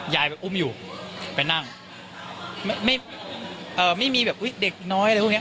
ยายไปอุ้มอยู่ไปนั่งไม่เอ่อไม่มีแบบอุ้ยเด็กน้อยอะไรพวกเนี้ย